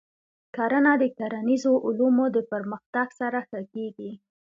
کرنه د کرنیزو علومو د پرمختګ سره ښه کېږي.